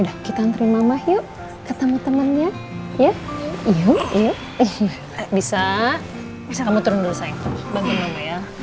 dah kita ngantri mama yuk ketemu temannya ya iya iya bisa bisa kamu turun dulu sayang bangun mama ya